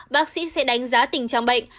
bác sĩ sẽ đánh giá tình trạng bệnh